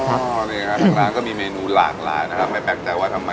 ในกบีใกล้กันนี้แหละ